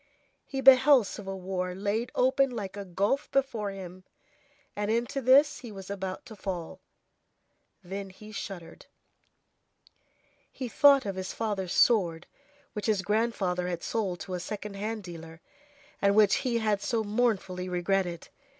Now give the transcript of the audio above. He beheld civil war laid open like a gulf before him, and into this he was about to fall. Then he shuddered. He thought of his father's sword, which his grandfather had sold to a second hand dealer, and which he had so mournfully regretted.